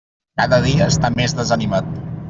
Cada dia està més desanimat.